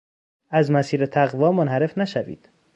از مسیر تقوا منحرف نشوید!